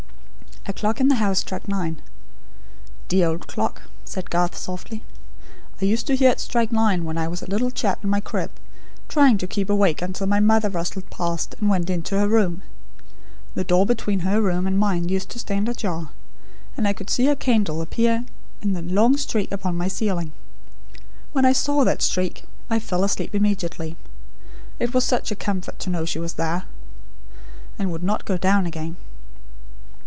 A clock in the house struck nine. "Dear old clock," said Garth, softly. "I used to hear it strike nine, when I was a little chap in my crib, trying to keep awake until my mother rustled past; and went into her room. The door between her room and mine used to stand ajar, and I could see her candle appear in a long streak upon my ceiling. When I saw that streak, I fell asleep immediately. It was such a comfort to know she was there; and would not go down again.